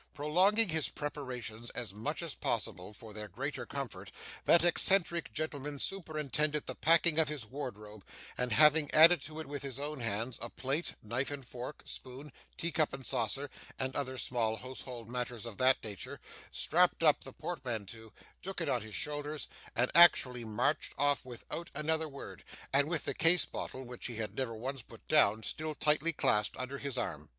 Prolonging his preparations as much as possible, for their greater comfort, that eccentric gentleman superintended the packing of his wardrobe, and having added to it with his own hands, a plate, knife and fork, spoon, teacup and saucer, and other small household matters of that nature, strapped up the portmanteau, took it on his shoulders, and actually marched off without another word, and with the case bottle (which he had never once put down) still tightly clasped under his arm.